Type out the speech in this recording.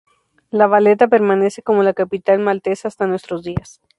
La Valeta permanece como la capital maltesa hasta nuestros días.